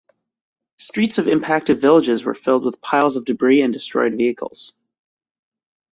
Streets of impacted villages were filled with piles of debris and destroyed vehicles.